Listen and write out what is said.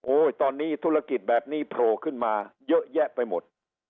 ตอนนี้ธุรกิจแบบนี้โผล่ขึ้นมาเยอะแยะไปหมด